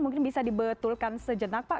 mungkin bisa dibetulkan sejenak pak